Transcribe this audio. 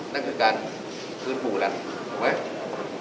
นั่นคือการฟื้นฟูแล้วถูกไหม